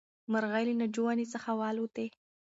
مرغۍ له ناجو ونې څخه والوتې.